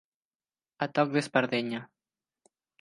A toc d'espardenya.